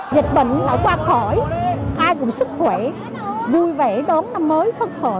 dịch bệnh đã qua khỏi ai cũng sức khỏe vui vẻ đón năm mới phân khỏi